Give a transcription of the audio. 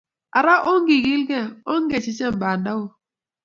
Ara ongigilgei, onge chechem banda o